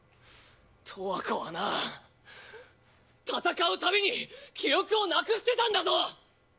トワコはな戦うために記憶をなくしていたんだぞ！